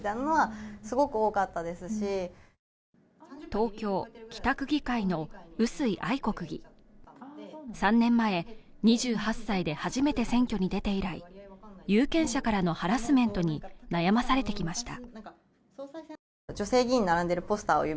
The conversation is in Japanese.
東京北区議会の臼井愛子区議３年前２８歳で初めて選挙に出て以来有権者からのハラスメントに悩まされてきました